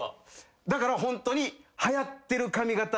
だからホントに。